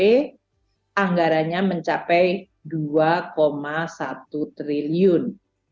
yang mencapai dua satu triliun